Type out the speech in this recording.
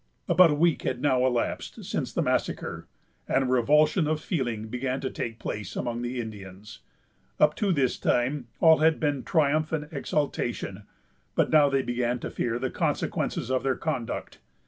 About a week had now elapsed since the massacre, and a revulsion of feeling began to take place among the Indians. Up to this time all had been triumph and exultation; but they now began to fear the consequences of their conduct.